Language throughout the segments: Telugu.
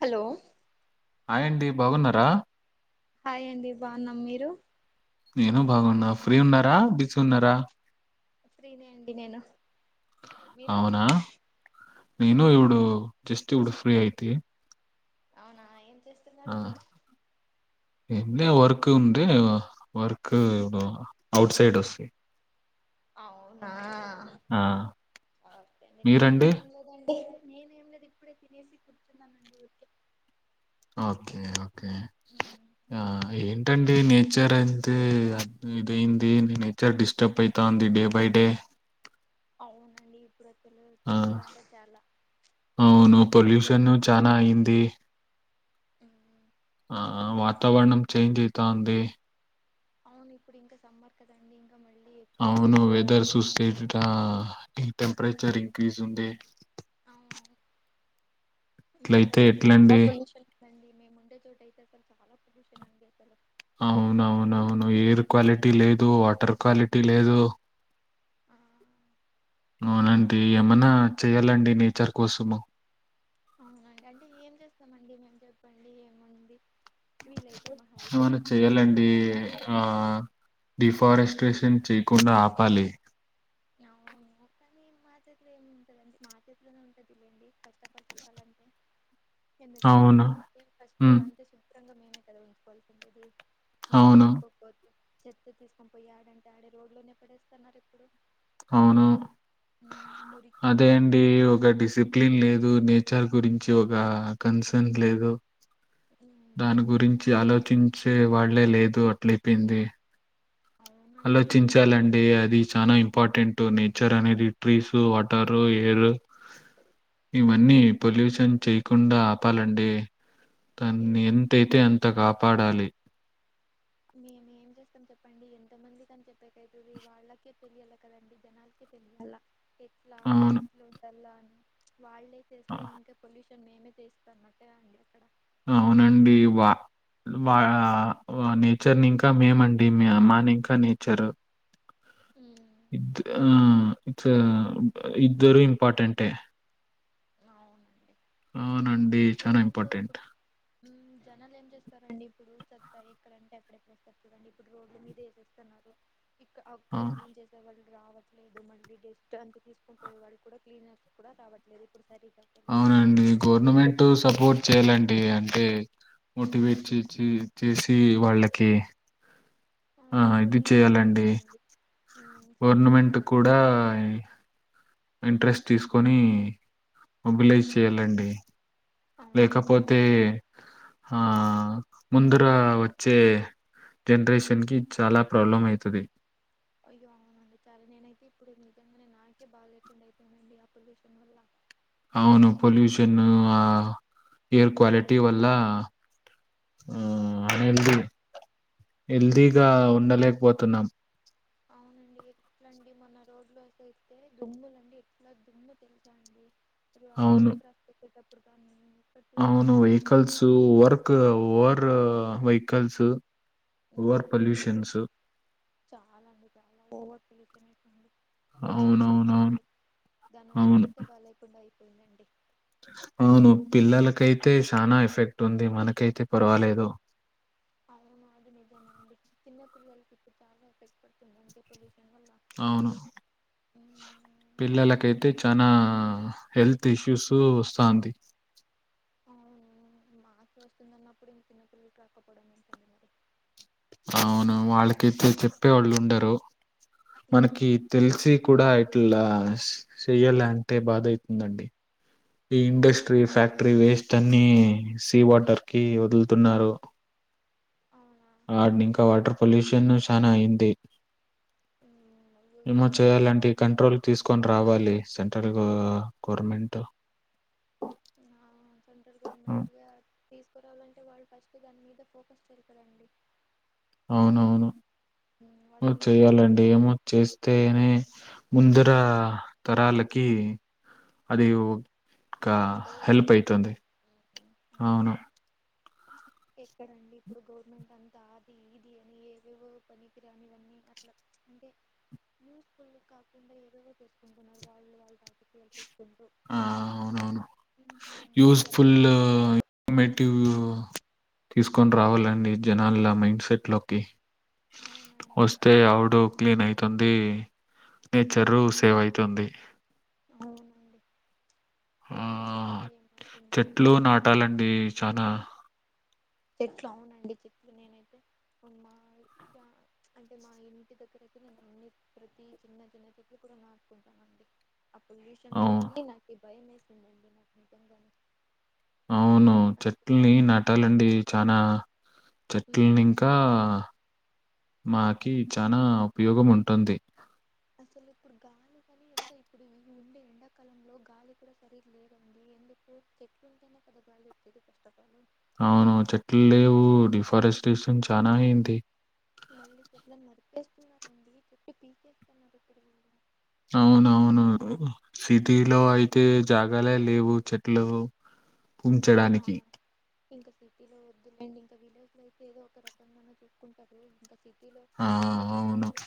హలో హండి బావున్నారా హాయ్ అండి బావున్నామ్ మీరు నేను బాగున్నా ఫ్రీ ఉన్నారా బిజుగున్నారా ఫ్రీ నే అండి నేను మీరు అవునా నీను ఇవుడు జస్ట్ ఇవుడు ఫ్రీ అయితే అవునా ఎంత్ ఆ ఏందే వర్క్ ఉంది. వర్కుకు అఔట్ సైడ్ వసాయ్ అవునా ఒకే నేను మీరండి ఏం లేదండి నేనేం లేది ఇప్పుడే తినేసి కూర్చున్నానండి. ఊరికే ఓకే ఓకే ఆ ఏంటండి నే జేరంతే ఇదైది. నేనైతే డిస్టర్బ్ అయితాంది డే బై డే అవునండి ఇప్పుడత్ ఆ అవును చాలా పొల్యూషన్ చానా అయింది. హుహూ ఆఆ వాతావరణం చేంజ్ అయితాంది అవును ఇప్పుడు ఇంకా సమ్మర్ కదండి ఇంక్ అవును వెదర్ సుసే ఇట్లా టీ టెంపరేచర్ ఇంక్రీజ్ ఉంది అవును ఇట్లయితే ఇక్కడైతే చాలా ఎట్లండి పొల్యూషన్ ఇందండి. మేము ముండే చోట అయితే అసలు చాలా పొల్యూషన్ ఉంది అసలు అవునవునవును ఎయిర్ క్వాలిటీ లేదు, వాటర్ క్వాలిటీ లేదు. ఆ అవునండి ఏమన్నా చేయాలండి. నేచర్ కోసము అవునండి అంటే ఏం చేస్తామండి. మేమ్ చెప్పండి ఏముంది. వీలైతే మహా అయితే ఏవన్నా చెట్లు పెట్టుకునే చేయాలండి అటల్లా ఆ డిఫారెస్ ట్రేసిన్ చేయకుండా ఆపాలి. నావు కానీ మా చేతిలో ఏమి ఉంటదండి. మా చేతిలోనే ఉంటదిలేండి. ఫస్ట్ ఆఫ్ ఆల్ చెప్పాలంటే. ఎందుకంటే అవును మేం ఫస్ట్ ఉమ్ అంతే శుభ్రంగా మేమే కదా ఉంచుకోవాల్సింది ఇది. మేమే అవును ఉంచుకోకపోతే చెత్త తీసుకొని పోయి యాడంటే ఆడే రోడ్ లోనే పడేస్తున్నారు. ఇప్పుడు అవును ఉమ్, ఆ మురికి అదే అండి. అంత ఒక డిసిప్లేన్ లేదు నే చర్ గురించి ఒక కన్సంట్ లేదు. దాని గురించి ఆలోచించ్ సే వాళ్లే లేదు అట్లా అయిపోయింది. అవునండి నిజంగానే ఆలోచించాలండి అది చానా ఇంపార్టెంట్ టూ నేచర్ అనేది ట్రీస్ వాటర్ ఎయిర్ ఇవన్నీ పొల్యూషన్ చేయకుండా ఆపాలంటే దాన్ని ఏం ఎంతైతే అంత గాప్ పడాలి మేము ఏం చేస్తాం చెప్పండి ఎంత మంది కాని చెప్పేకైతది. వాళ్ళకే తెలియాలి కదండి. జనాలకే అలా ఇట్లాంటి అవును. ఇట్లాంటోలా అని వళ్ళే ఆ! చేస్తే ఇంకా పొల్యూష్ మేమే చేస్తాన్నట్టే అండి. అక్కడ అవునండి వా బాగా ఓ నేచర్ని ఇంకా మేమండి. మ్య మనీ ఇంకా నేచరు ఉహ్ ఇప్త్ ఆ ఇట్స్ ఇద్దరు ఇంపార్టెంటెంటే చానా మీకేమంటే ఇంపార్టెంట్. ఇప్పుడు హు జనాలు ఏం చేస్తారండి ఇప్పుడు చెత్త ఎక్కడన్ ఎప్పుడెప్పుడు యేస్తారు చూడండి. ఇప్పుడు రోడ్లు మీద యేసేస్తున్నారు. ఇక్క ఆ! అక్కడ క్లీన్ చేసే వాళ్ళు రావట్లేదు, మళ్ళీ డస్ట్ అంత తీసుకుని పోయే వాడు కూడా క్లినర్స్ కూడా రావట్లేదు. ఇప్పుడు సరి అవునండి. గవర్నమెంట్ సపోర్ట్ చేయాలండి అంటే మోటివేట్ చేచి చేసి వాళ్ళకి ఆ! అవును ఇది కొన్ని ఇజుంటాయ్ చేయాలండి. కాదండి. గవర్నమెంట్ కూడా ఇంట్రెస్ట్ తీసు కొని మొబిలైజ్ చేయాలండి అవును లేకపోతే అవును హా ముందుర వచ్చే జనరేషన్ కి చాలా ప్రాబ్లం అయితది అయ్యో అవునండి చాలా నేనైతే ఇప్పుడు నిజంగానే నాకే బాగాలేకుండా అయిపోయిదండి అప్పుడు విషయం వల్ల అవును పొల్యూషన్ ఆ ఎయిర్ క్వాలిటీ వల్ల ఆ [inaudible] హెల్తీగా ఇక్కడ ఉండలేకపోతున్నాం అవునండి ఎట్లండి మొన రోడ్లు వస్తయితే దుమ్ములండి ఎట్లా దుమ్ము తెలుసా అండి అవును. రోడ్ [inaudible] అవును దుమ్ము అసలు వెహికల్సు వర్క్ ఓర్ వెహికల్స్ నా ఓవర్ ఎక్కువ పొల్యూషన్స్ చాలా అండి [inaudible] అవునవునవును. దానివల్ల అవును. హెళ్తే బాగా లేకుండా అయిపోయిందండి అవును పిల్లలకైతే చాలా ఎఫెక్ట్ ఉంది. మనకైతే పర్వాలేదు అవును అది నిజమండి చిన్న పిల్లలకి ఇప్పుడు చాలా ఎఫెక్ట్ పడుతుంది అండి పొల్యూషన్ వల్ల అవును ఉమ్, పిల్లలకైతే చానా హెల్త్ ఇష్యూస్ వస్తాంది అవునవును మాకే వస్తున్నప్పుడు ఇంక చిన్న పిల్లల్కి రాకపోవడం ఏంటండి మరి అవును వాళ్ళకైతే చెప్పేవాళ్ళు ఉండరు మనకి ఉమ్, తెలిసి కూడా ఇలా చెయ్యాలి అంటే బాధయితుందండి ఈ ఇండస్ట్రీ అవునండి ఫ్యాక్టరీ వేస్ట్ అన్ని సీ వాటర్ కి వదులుతున్నారు అవునా ఇంకా వాటర్ పొల్యూషన్ చాలా అయింది మ్మ్ అయ్యో రిమూవ్ ఇట్లయితే ఎట్లా చేయాలంటే అండి మరి. కంట్రోల్ తీసుకొని రావాలి సెంటర్ గోర్మెంటు ఆ సెంట్రల్ హ్మ్. గవర్నమెంట్ గా తీసుకురావాలంటే వాళ్ళు ఫస్ట్ అంటే దాని మీద ఫోకస్ చేయరు కదండి అవునవును [unintelligible] వాళ్ళన్నీ ప్రతి చేయాలండి వేరే ఏమో దాని చేస్తేనే ముంద ఆ తరాలకి అది ఒక హెల్ప్ ఉపయోగపడుతుంది అయితుంది. లేండి అవును. ఎక్కడండి ఇప్పుడు గవర్నమెంట్ అంతా ఆది ఇది అని ఏవేవో పనినికిరాని వన్నీ అట్లా అంటే యూస్ ఫుల్ కాకుండా ఏదో ఒకటి చేసుకుంటున్నారు వాళ్ళు వాల్ల రాజకీయాలు ఆ అవునవును యూస్ఫుల్ జనాలను పట్టించుకోరు ఇన్ఫర్మేటివ్ తీసుకొని రావాలండి జనాల మైండ్ సెట్ లోకి అవునండి వస్తే అవుడు క్లీన్ అయితుంది నేచరు సేవ్ అయితుంది ఆ! చూడళ్ల ఏమయితుందో చదా చెట్లు అవునండి చెట్లు నేనైతే మా అంటే మా ఇంటి దగ్గర నేను అన్ని ప్రతి చిన్న చిన్న చెట్లు కూడా నాటు కుంటానండి ఆ పొల్యూషన్ అవు చూసి నాకి భయమేసింది నాకు నిజంగానే అవునువు అందుకే చెట్లని అన్- నాటాలండి చానా చెట్లని ఉమ్. ఇంకా మాకి చానా ఉపయోగం ఉంటుంది అసలు ఇప్పుడు గాలి కాని ఎంత ఇప్పుడు ఉండే ఎండాకాలంలో గాలి కూడా సరిగా లేదండి మనకు చెట్లు ఉంటేనే కదా గాలి వచ్చేది కష్టం అవునవును చెట్లు లేవు చెట్ డిఫారెస్టేషన్ చానా అయింది మళ్ళీ చెట్లను నరికేస్తున్నారండి. చెట్లు పీకేస్తున్నారు ఇప్పుడు అవునవును సిటీ లో అయితే జాగాలే లేవు చెట్లు ఆ పుంచడానికి ఇంకా సిటీలో వద్దులేండి ఇంకా విలేజ్ లో అయితే ఏదో ఒక రకంగన్నా చూసుకుంటారు ఇంకా సిటీలో ఆ! ఉండే అవును. చెట్లను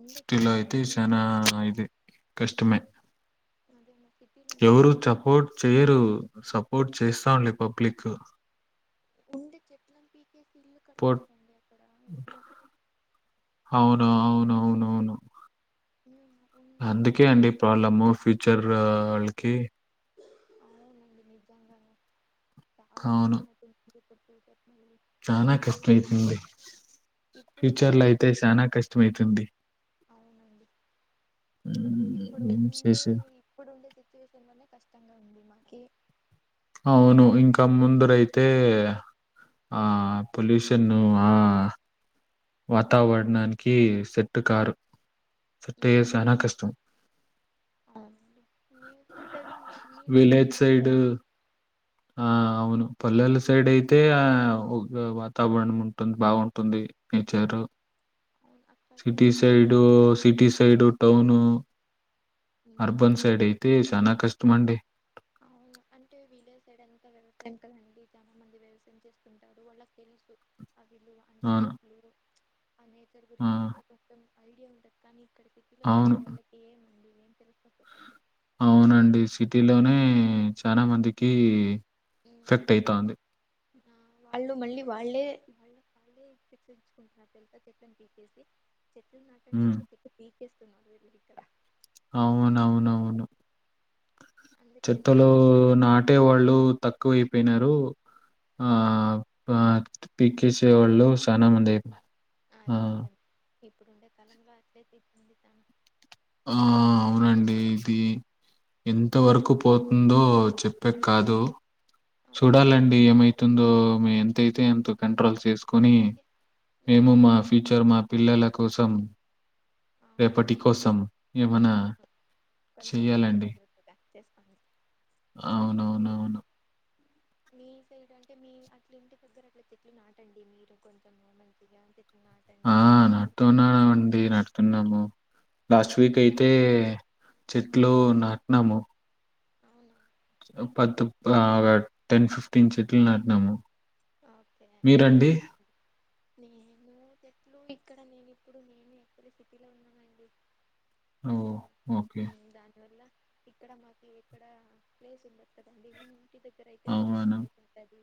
ఉండే సిటీలో చెట్లను అయితే కానీ చానా పీకేస్తున్నారు ఇదే కష్టమే అదే మా సిటీలో ఎవరు నిజంగానే చ సపోర్ట్ చేయరు సపోర్ట్ చేస్తాం లే పబ్లిక్ ఉండి చెట్లను పీకే ఇల్లు పోట్ కడుతున్నారండి అక్కడ ఇల్లు అవునవును ఉమ్, ఉండే అందుకే ఆ అండి మంచి ప్రాబ్లము ఫ్యూచర్ వాళ్ళకి అవునండి నిజంగానే చాలా అవును. కష్టమైతుంది పడు చానా కష్ట అయితుంది ఇప్పుడుండే ఫ్యూచర్ లో అయితే పొల్యూషన్ చానా కష్టమైతుంది అవునండి హ్మ్. ఇప్పుడు ఏం ఉండే చేసే ఇప్పుడు ఉండే సిచ్యువేషన్ అనే కష్టంగా ఉంది మాకి అవును ఇంకా ముందురైతే ఆ ఉమ్, పొల్యూషన్ ఆహ్, వాతావరణానికి సెట్టు కారు సెట్ అయ్యే సానా కష్టం అవును మీ మీ సైడ్ నీ నీల్లు విలేజ్ మంచిగా సైడ్ వస్తాయండి ఆ అవును పల్లెల సైడ్ అయితే ఆ వాతావరణం ఉంటుంది బాగుంటుంది నేచరు అవును అక్కడ సిటీ సైడ్ అంటే సైడు వ్యవ- సిటీ సైడు టౌను అర్బన్ ఉమ్, సైడ్ అయితే చానా కష్టమ అండి అవును అంటే వీలేజ్ సైడ్ అంత వ్యవసాయం కదండి. చాలా మంది వ్యవసాయం చేస్తుంటారు. వాళ్ళకి తెలుసు అవిలు అంటే అవును. చెట్లు ఆ నేచర్ ఆ! గురించి అంత కొంచెం ఐడియా ఉండదు కానీ ఇక్కడ సిటీలో అవును. పెరిగే వాళ్ళకి ఏముంది అవునండి సిటీ లోనే చానా మందికి ఎఫెక్ట్ అయితాంది వాళ్ళు మళ్ళీ వాళ్ళే శిక్షించుకుంట తెలుసా చెట్లను పీకేస్తే చెట్లు నాటండి హ్మ్. అంటే చెట్ పీకేస్తున్నారు వీళ్ళు ఇక్కడ అవునవునవును అందుకే ఎంత చెత్తలో వీలైతే అంత నాటే వాళ్ళు తక్కువ అయిపోయినారు ఆ పీకేసే పీకే వాళ్ళు వాళ్ళకి చానా మంది అయినర్ ఆ అది నిజం ఇప్పుడుండే కాలంలో అట్లే తీ పండితను ఆ అవునండి ఇది ఎంత వరకు పోతుందో చెప్పే కాదు చూడాలండి ఏమైతుందో మ ఎంతైతే అంత కంట్రోల్స్ చేసుకొని అందుకే మేము మీరు మా కొ ఫ్యూచర్ మా పిల్లల కోసం రేపటి కోసం ఏమనా అవును కొంచెం ముందు జాగ్రత్తగా చేస్తాను అవునవునవును అ మీ సైడ్ అంటే మీ అట్లా ఇంటి దగ్గర అట్ల చెట్లు నాటండి. మీరు కొంచెం నార్మల్గా అంటే ఆ! నాటండి నీళ్ళ పోయండి నాటుతున్నామండి. అదు నాటుతున్నాము. లాస్ట్ వీక్ అయితే చెట్లో నాటినాము అవును పత్ టెన్ ఫిఫ్టీన్ చెట్లు నాటినాము ఓకే మీరండి? మంచి పనే నేను చెట్లు ఇక్కడ నేను ఇప్పుడు నేను ఎప్పుడు సిటీలో ఉన్నానండి సో ఓహ్! ఓకే. దానివల్ల ఇక్కడ మాకు ఎక్కడ ప్లేస్ ఉండది కదాడి ఇంటి దగ్గర అయితే మంచి అవునా? ప్రయత్న అంటంది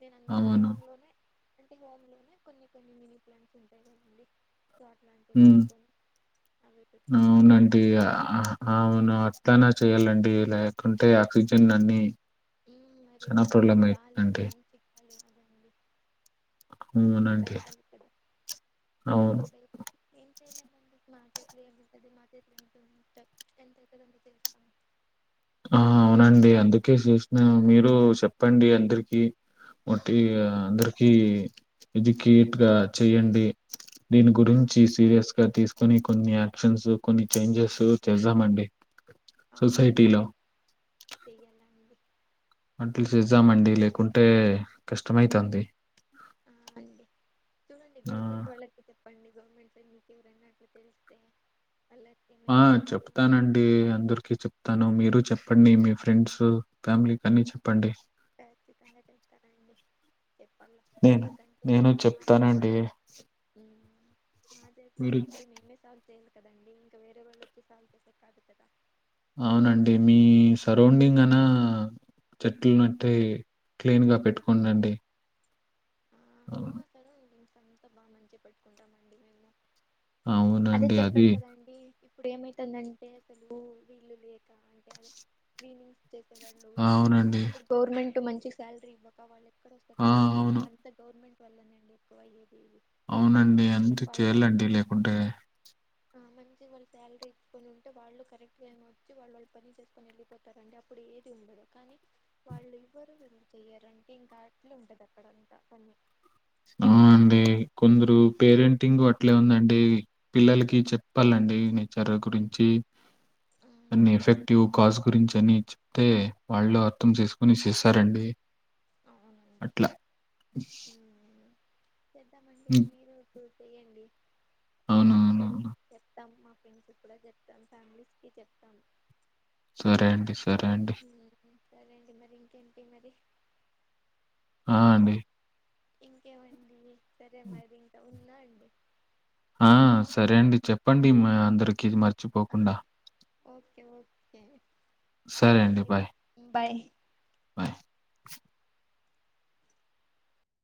నేను అందరిక అవును. హోమ్ లోనే అంటే హోమ్ లోనే కొన్ని కొన్ని మినీ ప్లాంట్స్ ఉంటాయి కదండీ చట్లాంట హ్మ్. పెట్టుకుని అవునండి అవును అట్లనా చేయ్యాలండి లేకుంటే ఆక్సిజన్ అన్ని మరి మాకు గాలి మంచి గాలి కాదండి అవునండి. దొరకాలి కదా అవును. సో మనం ఏం చేయలాం అండి ఎంటది మాలుంట ఎంత అవుతుదంట తెలుస్తా ఆ అవునండి అందుకే చేసిన మీరు చెప్పండి అందరికి ఒకట్టి మ్మ్ అందరికీ ఎడ్యుకేట్గా చేయండి దీని అవు గురించి సీరియస్ గా తీసు కొన్ని కొన్ని యాక్షన్స్ కొన్ని చేంజెస్ చేద్దామండి సొసైటీలో చేయాలండి అట్లు చేద్దామండి లేకుంటే కష్టంమైతుంది ఆ అండి చూడండి గవర్నమెంట్ వాళ్ళకి చెప్పండి గవర్నమెంట్ [unintelligible] ఆ ఏమైనా మీరు కొంచెం ఏమైనా చెప్తానండి అందరికిీ చెప్తాను మీరు చెప్త చెప్పండి మీ ఫ్రెండ్స్ ఫ్యామిలీకి అన్ని చెప్పండి ఖచ్చితంగా చెప్తానండి చెప్పాల నేను ఎందుకంటే నేను మార్కెట్లో చెప్తానండి. మా చేట్లో మీరు ఉన్నప్పుడు మేమే సాల్వ్ చేయి కదండి ఇంకా వేరే వాళ్ళు వచ్చి సాల్వ్ చేసేది కాదు కదా అవునండి మీ సరౌండింగ్ అనా చెట్ల మట్టి క్లీన్ గా పెట్టుకోండి ఆ అక్కడ అంతా బాగా మంచిగా పెట్టుకుంటామండి మేము అదే అవునండి. అది చెప్పాను కదండి ఇప్పుడు ఏమైతుందంటే అసలు వీళ్ళు లేక అంటే అ వీళ చేసేవాళ్ళు అవునండి. ఇప్పుడు గవర్నమెంట్ మెంట్ మంచి శాలరీ ఇవ్వక వాళ్ళు ఎక్కడ వస్తారు ఆ! చెప్పండి అవును. అంత గవర్నమెంట్ వాల్లనే అండి ఎక్కువ అవునండి అంత చేయాలండి లేకుంటే ఆ మంచిగా వాళ్ళ శాలరీ ఇచ్చుకొని ఉంటే వాళ్ళు కరెక్ట్గా ఏమో వచ్చి వాళ్ళ వాళ్ళు పని చేసుకొని వెళ్ళిపోతారండి అప్పుడు ఏది ఉండదు కానీ వాళ్ళు ఎవ్వరు వీళ్ళు చెయ్యరు ఇంకా అట్లు ఉంటది అక్కడంతా అవు ఆ అండి కొందరు పేరెంటింగ్ ఇట్లే ఉందండి పిల్లలకి చెప్పాలండి నేచర్ గురించి అన్ని ఎఫెక్టివ్ కాజ్ గురించి అన్ని చెప్తే వాళ్ళు అర్థం చేసుకుని చేసారండి అవునండి అట్లా చేద్దామండి హ్మ్. మీరు చూసేయండి ఏమ అవునవునవును. చేస్తా చెప్తాం మా ఫ్రెండ్స్కి కూడా చెప్తాం ఫ్యామిలీస్ కి చెప్తాం సరే అండి సరే అండి ఉమ్, సరే అండి మరి ఇంకేంటి మరి ఆ! అండి. ఇంకేమండి సరే మరి ఇంకా ఉన్నా అండి ఆ సరే అండి చెప్పండి అందరికిీ ఆ మర్చిపోకుండా ఓకే ఓకే సరే అండి బాయ్ బాయ్